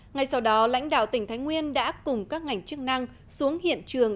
ngay sau đó lãnh đạo tỉnh thái nguyên đã cùng các ngành chức năng xuống hiện trường